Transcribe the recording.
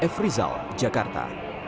f rizal jakarta